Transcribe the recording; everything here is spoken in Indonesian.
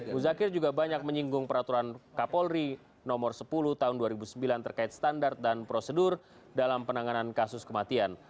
muzakir juga banyak menyinggung peraturan kapolri nomor sepuluh tahun dua ribu sembilan terkait standar dan prosedur dalam penanganan kasus kematian